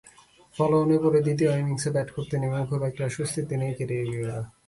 ফলোঅনে পড়ে দ্বিতীয় ইনিংসে ব্যাট করতে নেমেও খুব একটা স্বস্তিতে নেই ক্যারিবীয়রা।